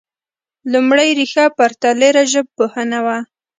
لومړۍ ريښه پرتلیره ژبپوهنه وه